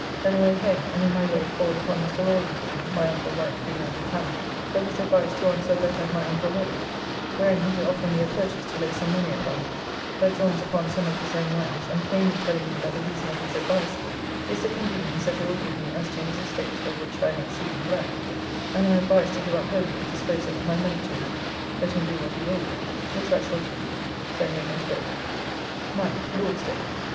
Then away home, and in my way called upon Mr. Rawlinson (my uncle Wight being out of town), for his advice to answer a letter of my uncle Robert, wherein he do offer me a purchase to lay some money upon, that joynes upon some of his own lands, and plainly telling me that the reason of his advice is the convenience that it will give me as to his estate, of which I am exceeding glad, and am advised to give up wholly the disposal of my money to him, let him do what he will with it, which I shall do. So home and to bed. 9th (Lord's day).